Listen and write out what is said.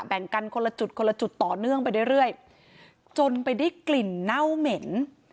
แบ่งกันคนละจุดคนละจุดต่อเนื่องไปเรื่อยจนไปได้กลิ่นเน่าเหม็น